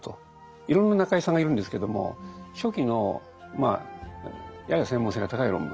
いろんな中井さんがいるんですけども初期のやや専門性が高い論文